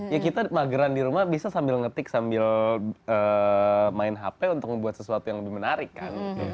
ya kita mageran di rumah bisa sambil ngetik sambil main hp untuk membuat sesuatu yang lebih menarik kan